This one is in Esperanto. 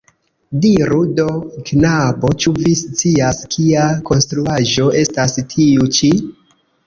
Diru do, knabo, ĉu vi scias kia konstruaĵo estas tiu ĉi?